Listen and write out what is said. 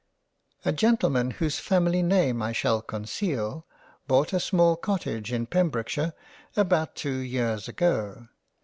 A GENTLEMAN whose family name I shall conceal, bought a small Cottage in Pembrokeshire about two years ago.